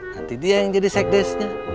nanti dia yang jadi sekdesnya